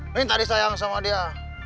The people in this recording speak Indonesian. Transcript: minta disayang sama dia